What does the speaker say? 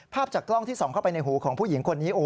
จากกล้องที่ส่องเข้าไปในหูของผู้หญิงคนนี้